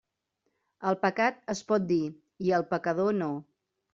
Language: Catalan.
El pecat es pot dir i el pecador no.